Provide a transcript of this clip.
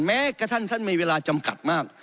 แม้ก็ท่านมีเวลาจำกัดมาก